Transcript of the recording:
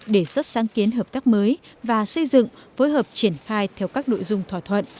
đề xuất sáng kiến hợp tác mới và xây dựng phối hợp triển khai theo các nội dung thỏa thuận